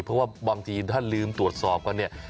เพราะว่าบางทีถ้าลืมตรวจสอบกันเนี่ย